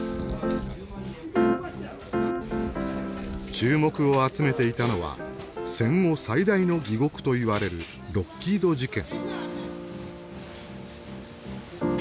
注目を集めていたのは戦後最大の疑獄といわれるロッキード事件。